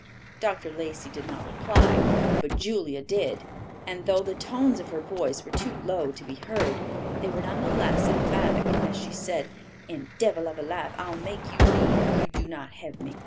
Dr. Lacey did not reply, but Julia did; and though the tones of her voice were too low to be heard, they were none the less emphatic, as she said, "And devil of a life I'll make you lead if you do not have me."